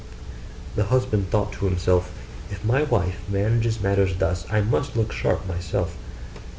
The husband thought to himself, 'If my wife manages matters thus, I must look sharp myself.